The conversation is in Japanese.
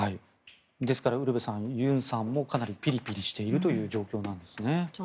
ですからウルヴェさん尹さんもかなりピリピリしているという状況なんですね。